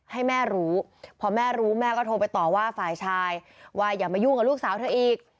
ให้แม่รู้พอแม่รู้แม่ก็โทรไปต่อว่าฝ่ายชายว่าอย่ามายุ่งกับลูกสาวเธออีก